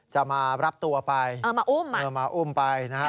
จะมารับตัวไปมาอุ้มไป